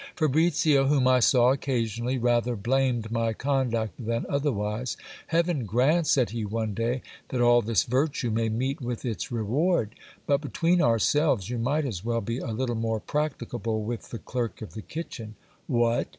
Fabricio, whom I saw occasionally, rather blamed my conduct than otherwise. Heaven grant, said he, one day, that all this virtue may meet with its reward ! But between ourselves you might as well be a little more practicable with the clerk of the kitchen. What